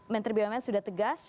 menteri bumn sudah tegas